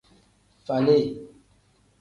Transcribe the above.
Falii.